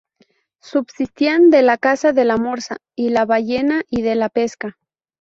Subsistían de la caza de la morsa y la ballena y de la pesca.